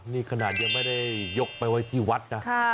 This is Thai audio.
นี่ขนาดยังไม่ได้ยกไปไว้ที่วัดนะ